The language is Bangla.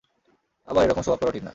আবার এরকম শো-অফ করাও ঠিক না।